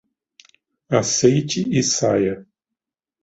Aceite e saia.